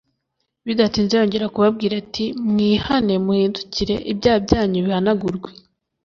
bidatinze yongera kubabwira ati mwihane muhindukire, ibyaha byanyu bihanagurwe